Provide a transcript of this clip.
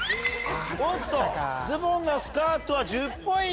おっとズボンがスカートは１０ポイント。